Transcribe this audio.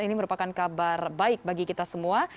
ini merupakan kabar baik bagi kita semua